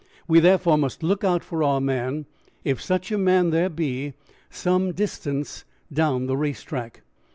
We, therefore, must look out for our man, if such a man there be, some distance down the race track.